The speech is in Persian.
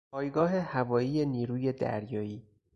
پایگاه هوایی نیروی دریایی